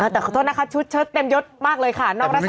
แต่ขอโทษนะคะชุดเชิดเต็มยดมากเลยค่ะนอกรักษา